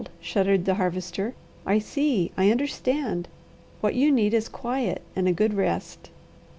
shuddered the Harvester. "I see! I understand! What you need is quiet and a good rest."